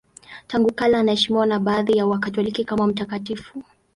Tangu kale anaheshimiwa na baadhi ya Wakatoliki kama mtakatifu.